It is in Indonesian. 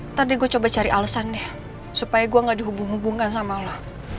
ntar deh gue coba cari alesannya supaya gue gak dihubung hubungkan sama lo